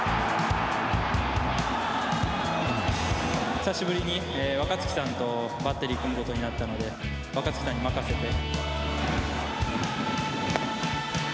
久しぶりに若月さんとバッテリーを組むことになったので若月さんに任せて。